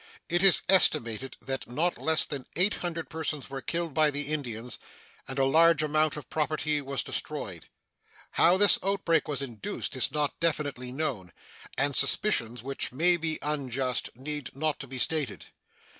It is estimated that not less than 800 persons were killed by the Indians, and a large amount of property was destroyed. How this outbreak was induced is not definitely known, and suspicions, which may be unjust, need not to be stated.